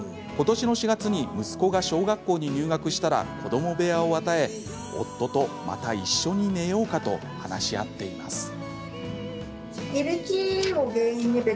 ことしの４月に息子が小学校に入学したら子ども部屋を与え夫とまた一緒に寝ようかと話し合っています。